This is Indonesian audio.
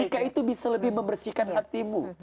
jika itu bisa lebih membersihkan hatimu